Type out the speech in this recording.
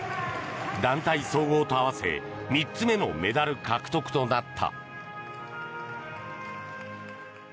団体総合と合わせて３つ目のメダル獲得となった。